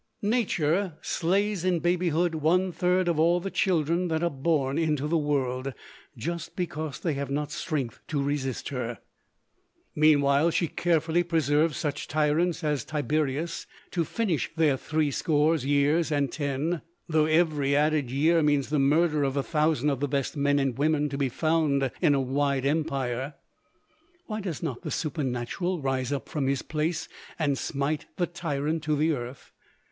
Nature slays in babyhood one third of all the children that are born into the world, just because they have not strength to resist her; meanwhile she carefully preserves such tyrants as Tiberius to finish their three score years and ten, though every added year means the murder of a thousand of the best men and women to be found in a wide empire. Why does not the Supernatural rise up from his place and smite the tyrant to the earth?